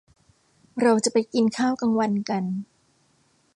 เราจะไปกินข้าวกลางวันกัน